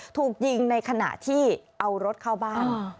ถูกยิงในขณะที่เอารถเข้าบ้าน